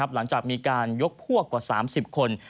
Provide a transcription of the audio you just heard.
หลังจากมีการยกพวกกว่า๓๐คน